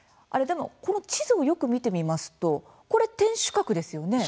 でもこの地図をよく見てみますとこれ、天守閣ですよね？